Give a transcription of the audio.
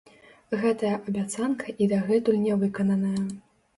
Гэтая абяцанка і дагэтуль нявыкананая.